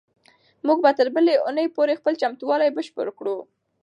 موږ به تر بلې اونۍ پورې خپل چمتووالی بشپړ کړو.